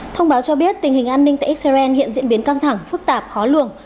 thông báo cho biết tình hình an ninh tại israel hiện diễn biến căng thẳng phức tạp khó lường